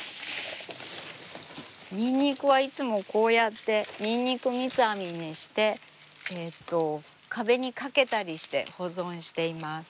にんにくはいつもこうやってにんにく三つ編みにして壁にかけたりして保存しています。